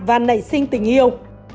và nảy sinh tình yêu